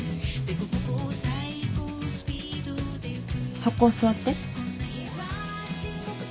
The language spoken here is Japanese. そこ座って。